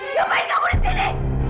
ngapain kamu disini